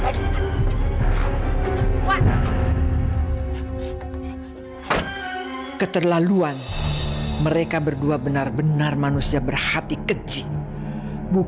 keluar keluar keluar keluar lim countries identity soju